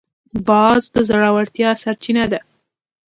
باز د زړورتیا سرچینه ده